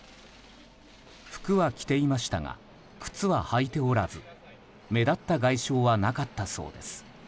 服は着ていましたが靴は履いておらず目立った外傷はなかったそうです。